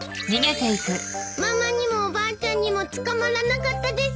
ママにもおばあちゃんにも捕まらなかったです。